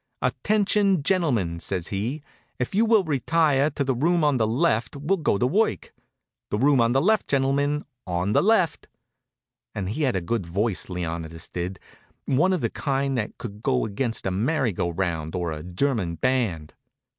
"Attention, gentlemen!" says he. "If you will all retire to the room on the left we will get to work. The room on the left, gentlemen, on the left!" He had a good voice, Leonidas did, one of the kind that could go against a merry go round or a German band.